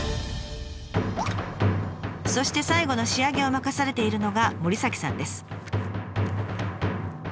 そして最後の仕上げを任されているのが森さんです。